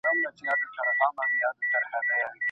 د بهرني سیاست په ناستو کي وګړي نه برخه اخلي.